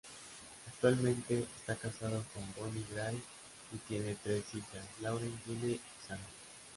Actualmente, está casado con Bonnie Gray y tiene tres hijas, Lauren, Julie y Shannon.